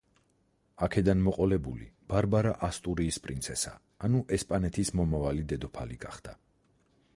აქედან მოყოლებული ბარბარა ასტურიის პრინცესა, ანუ ესპანეთის მომავალი დედოფალი გახდა.